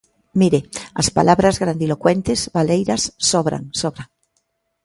Mire, as palabras grandilocuentes, baleiras, sobran, sobran.